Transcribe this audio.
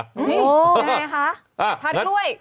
โอ้โฮอย่างไรคะทานด้วย